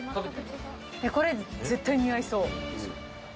これ絶対似合いそう。